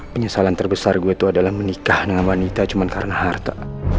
penyesalan terbesar gue itu adalah menikah dengan wanita cuma karena harta